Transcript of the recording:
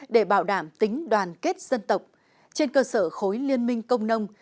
để bảo đảm tính đoàn kết dân tộc trên cơ sở khối liên minh công nông